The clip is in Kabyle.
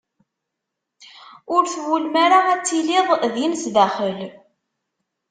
Ur twulem ara ad tiliḍ din sdaxel.